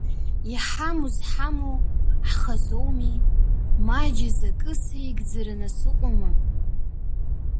Иҳамоу зҳамоу ҳхазоуми, Маџь изы акы сеигӡараны сыҟоума…